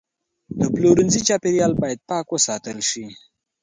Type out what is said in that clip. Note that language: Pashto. د پلورنځي چاپیریال باید پاک وساتل شي.